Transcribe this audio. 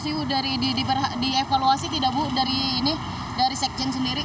itu sudah dievaluasi tidak bu dari sekjen sendiri